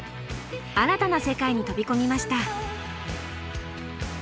新たな世界に飛び込みました。